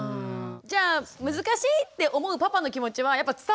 じゃあ難しいって思うパパの気持ちはやっぱ伝わっちゃう？